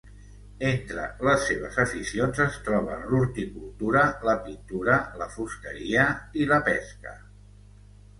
Entre les seves aficions es troben l'horticultura, la pintura, la fusteria, i la pesca.